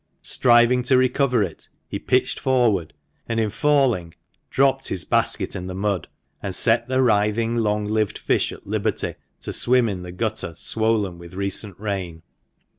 Striving to recover it, he pitched forward, and in falling 1 104 THE MANCHESTER MAN. dropped his basket in the mud, and set the writhing, long lived fish at liberty to swim in the gutter swollen with recent rain.